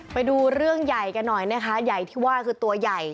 ไปดูเรื่องใหญ่กันหน่อยนะคะใหญ่ที่ว่าคือตัวใหญ่